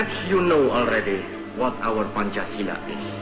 mungkin kamu sudah tahu apa itu pancasila